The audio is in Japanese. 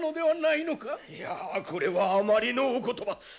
いやこれはあまりのお言葉！